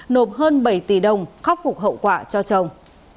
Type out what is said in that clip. nộp hơn bảy tỷ đồng khắc phục hậu quả cho chồng